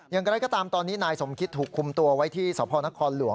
อย่างไรก็ตามตอนนี้นายสมคิตถูกคุมตัวไว้ที่สพนครหลวง